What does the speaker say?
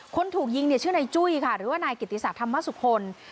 คนถูกยิงเนี่ยชื่อนายจุ้ยค่ะหรือว่านายกิติศักดิธรรมสุคล